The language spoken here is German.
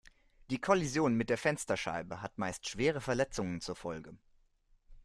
Die Kollision mit der Fensterscheibe hat meist schwere Verletzungen zur Folge.